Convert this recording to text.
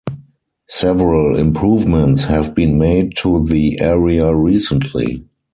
Several improvements have been made to the area recently.